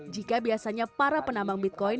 jika biasanya para penambang bitcoin